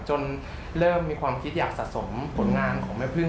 เริ่มมีความคิดอยากสะสมผลงานของแม่พึ่ง